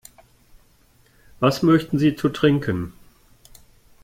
Was möchten Sie zu trinken?